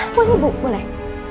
boleh bu boleh